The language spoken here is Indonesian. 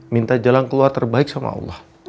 minta jalan keluar terbaik sama allah